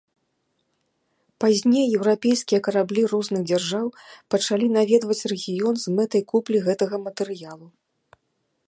Пазней еўрапейскія караблі розных дзяржаў пачалі наведваць рэгіён з мэтай куплі гэтага матэрыялу.